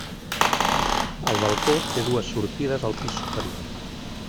El balcó té dues sortides al pis superior.